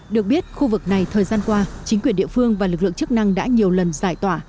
được biết khu vực này thời gian qua chính quyền địa phương và lực lượng chức năng đã nhiều lần giải tỏa